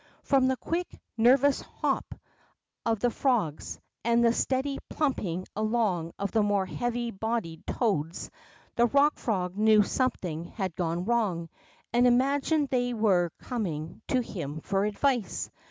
Prom the quick, nervous hops of the frogs, and the steady plumping along of the more heavy bodied toads, the Pock Frog knew that something had gone wrong, and imagined that they were coming to him for advice.